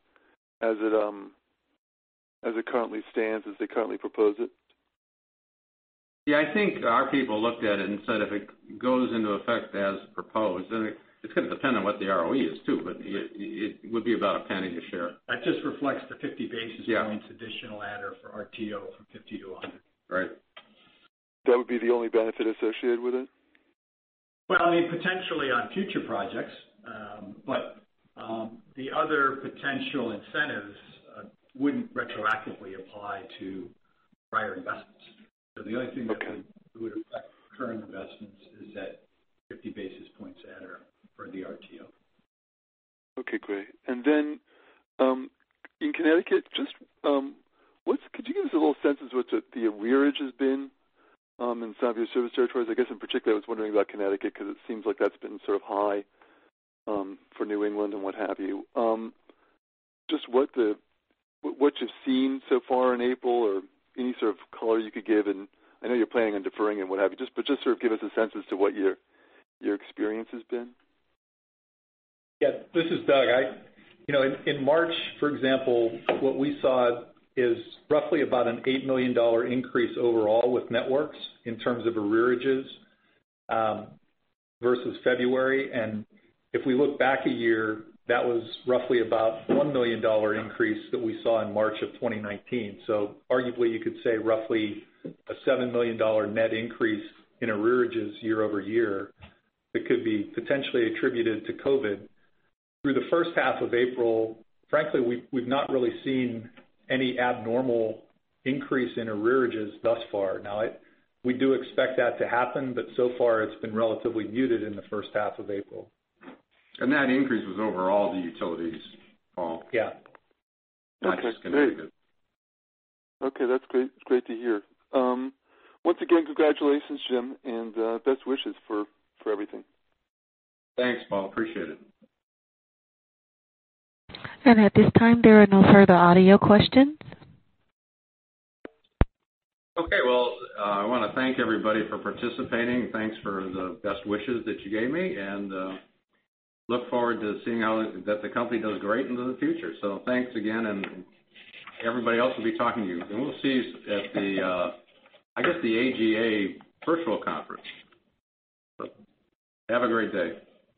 currently stands, as they currently propose it? Yeah, I think our people looked at it and said if it goes into effect as proposed, it's going to depend on what the ROE is too, but it would be about $0.01 a share. That just reflects the 50 basis points additional adder for RTO from 50 basis points-100 basis points. Right. That would be the only benefit associated with it? Well, potentially on future projects. The other potential incentives wouldn't retroactively apply to prior investments. The only thing that would affect current investments is that 50 basis points adder for the RTO. Okay, great. Then, in Connecticut, could you give us a little sense as to what the arrearage has been in some of your service territories? I guess in particular, I was wondering about Connecticut because it seems like that's been sort of high for New England and what have you. Just what you've seen so far in April or any sort of color you could give, and I know you're planning on deferring and what have you, but just sort of give us a sense as to what your experience has been. This is Doug. In March, for example, what we saw is roughly about an $8 million increase overall with Networks in terms of arrearages versus February. If we look back a year, that was roughly about a $1 million increase that we saw in March of 2019. Arguably, you could say roughly a $7 million net increase in arrearages year-over-year that could be potentially attributed to COVID-19. Through the first half of April, frankly, we've not really seen any abnormal increase in arrearages thus far. We do expect that to happen, but so far it's been relatively muted in the first half of April. That increase was over all the utilities, Paul. Yeah. Not just Connecticut. Okay. Great. Okay, that's great to hear. Once again, congratulations, Jim, and best wishes for everything. Thanks, Paul. Appreciate it. At this time, there are no further audio questions. Okay. Well, I want to thank everybody for participating. Thanks for the best wishes that you gave me, and look forward to seeing how the company does great into the future. Thanks again, and everybody else will be talking to you. We'll see you at the, I guess, the AGA virtual conference. Have a great day.